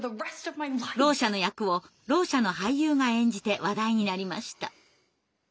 ろう者の役をろう者の俳優が演じて話題になりました。